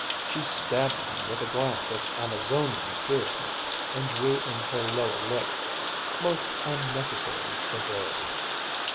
She stabbed him with a glance of Amazonian fierceness and drew in her lower lip—most unnecessary severity.